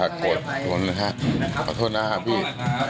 อยากโกรธขอโทษนะฮะพี่